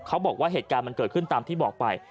เขาบอกว่าเหตุการณ์มันเกิดขึ้นตามที่บอกไป